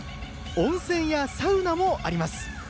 そしてサウナもあります。